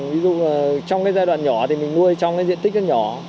ví dụ trong cái giai đoạn nhỏ thì mình nuôi trong cái diện tích nó nhỏ